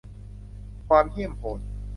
ความเหี้ยมโหด